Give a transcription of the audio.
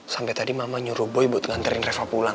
sampai tadi mama nyuruh boy buat nganterin reva pulang